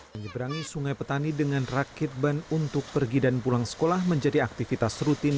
menyeberangi sungai petani dengan rakit ban untuk pergi dan pulang sekolah menjadi aktivitas rutin